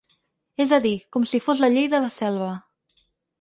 És a dir, com si fos la llei de la selva.